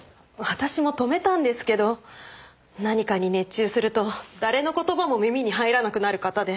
私も止めたんですけど何かに熱中すると誰の言葉も耳に入らなくなる方で。